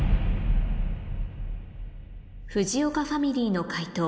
藤岡ファミリーの解答